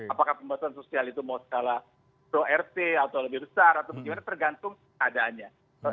apakah pembatasan sosial itu mau skala pro rt atau lebih besar atau bagaimana tergantung keadaannya